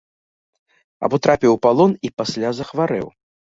Або трапіў у палон і пасля захварэў.